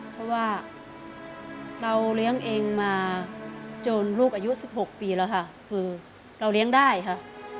เพราะว่าเราเลี้ยงเองมาจนลูกอายุ๑๖ปีแล้วค่ะคือเราเลี้ยงได้ค่ะ